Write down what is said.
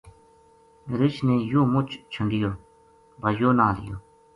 رچھ نے یوہ مُچ چھَنڈیو با یوہ نہ ہلیو